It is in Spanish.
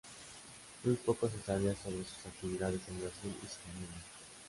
Muy poco se sabía sobre sus actividades en Brasil y su familia.